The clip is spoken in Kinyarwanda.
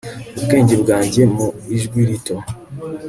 ubwenge bwanjye, mu ijwi rito